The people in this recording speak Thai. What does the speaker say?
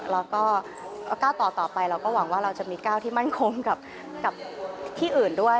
แล้วก็ก้าวต่อไปเราก็หวังว่าเราจะมีก้าวที่มั่นคงกับที่อื่นด้วย